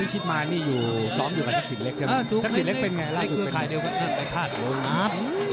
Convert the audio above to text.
พี่ชิดมารนี่อยู่กร้องทักสินเลคใช่ไหม